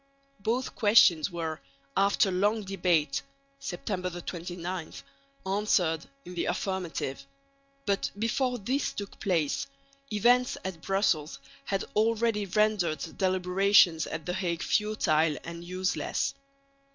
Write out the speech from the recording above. Both questions were, after long debate (September 29) answered in the affirmative; but, before this took place, events at Brussels had already rendered deliberations at the Hague futile and useless.